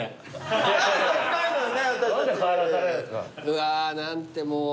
うわー何てもう。